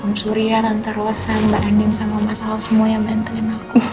om surya tante rosa mbak anding sama mas al semua yang bantuin aku